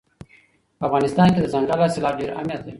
په افغانستان کې دځنګل حاصلات ډېر اهمیت لري.